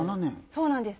そうなんです。